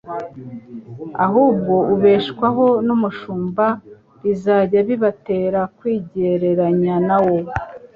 ahubwo ubeshwaho n'umushumba, bizajya bibatera kwigereranya na wo.